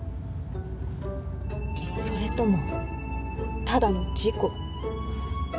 それともただの事故？